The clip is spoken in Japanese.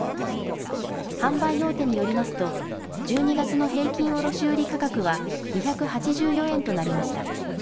販売大手によりますと、１２月の平均卸売価格は２８４円となりました。